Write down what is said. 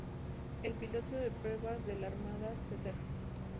El piloto de pruebas de la Armada Cdr.